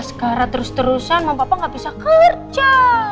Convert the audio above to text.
sekarang terus terusan mama papa nggak bisa kerja